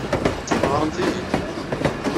Ɣremt-iyi-d!